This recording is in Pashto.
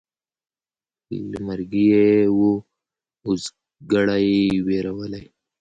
له مرګي یې وو اوزګړی وېرولی